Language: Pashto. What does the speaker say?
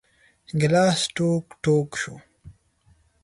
ګیلاس ټوک ، ټوک شو .